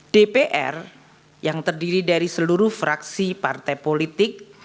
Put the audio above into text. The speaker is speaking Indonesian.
dpr yang terdiri dari seluruh fraksi partai politik